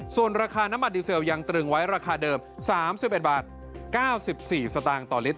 ส่วนราคาน้ำมันดีเซลยังตรึงไว้ราคาเดิม๓๑บาท๙๔สตางค์ต่อลิตร